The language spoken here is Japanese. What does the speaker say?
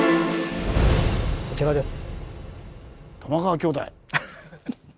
こちらです。